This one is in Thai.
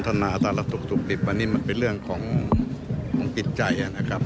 สนทนาตลาดสุขดิบอันนี้มันเป็นเรื่องของกิจใจ